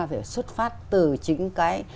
phải xuất phát từ chính cái